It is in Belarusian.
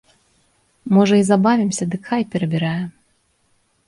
Можа, і забавімся, дык хай перабірае.